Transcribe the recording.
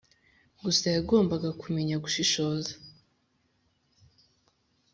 gusa yagombaga kumenya gushishoza